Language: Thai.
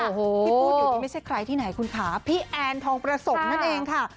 ที่พูดอยู่นี่ไม่ใช่ใครที่ไหนคุณค่ะพี่แอนทองประสงค์นั่นเองค่ะ